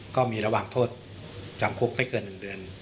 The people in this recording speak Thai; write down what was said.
ก็มีระหว่างโทษจำคุกไม่เกิน๑เดือน